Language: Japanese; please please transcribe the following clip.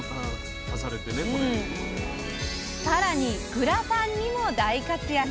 さらに、グラタンにも大活躍。